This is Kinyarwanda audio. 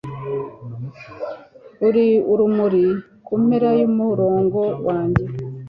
uri urumuri kumpera yumurongo wanjye